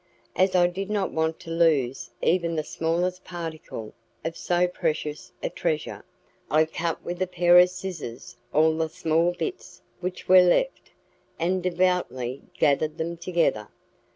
As I did not want to lose even the smallest particle of so precious a treasure, I cut with a pair of scissors all the small bits which were left, and devoutly gathered them together.